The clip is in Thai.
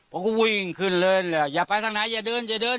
ผมก็วิ่งขึ้นเลยเลยอย่าไปทั้งไหนอย่าเดินอย่าเดินอย่าเดิน